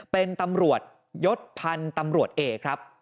เป็นตำรวจยศพันธุ์ตำรวจเอกครับ